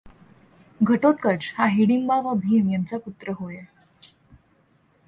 घटोत्कच हा हिडींबा व भीम यांचा पुत्र होय.